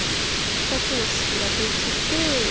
２つの式ができて。